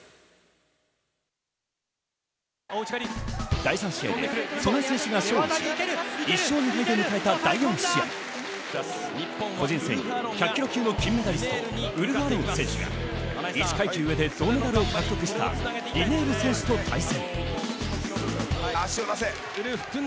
第３試合で素根選手が勝利し、１勝２敗でむかえた第４試合、個人戦１００ｋｇ級の金メダリスト、ウルフ・アロン選手が１階級上で銅メダルを獲得したリネール選手と対戦。